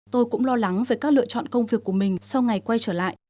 tôi cũng lo lắng về các lựa chọn công việc của mình sau ngày quay trở lại